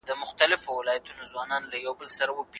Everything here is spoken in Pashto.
د قیامت په ورځ به ظالمان په تیاره کې وي.